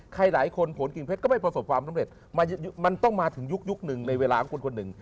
หลายคนผลกิ่งเพชรก็ไม่ประสบความสำเร็จมันต้องมาถึงยุคหนึ่งในเวลาของคนคนหนึ่ง